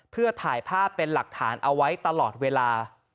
เพื่อถ่ายภาพเป็นหลักฐานเอาไว้ตลอดเวลา